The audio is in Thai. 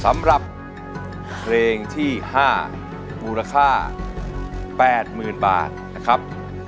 สำหรับเพลงที่๕มูลค่า๘๐๐๐บาทนะครับ